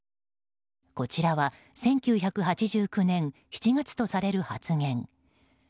こちらは１９８９年７月とされる発言。